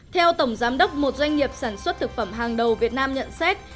theo tổng giám đốc một doanh nghiệp sản xuất thực phẩm hàng đầu việt nam nhận xét